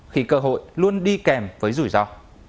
khi cơ hội luôn đi kèm với rủi ro